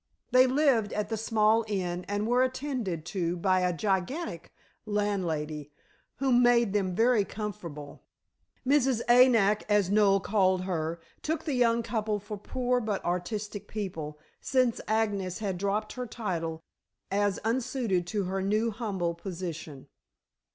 They lived at the small inn and were attended to by a gigantic landlady, who made them very comfortable. Mrs. "Anak," as Noel called her, took the young couple for poor but artistic people, since Agnes had dropped her title, as unsuited to her now humble position.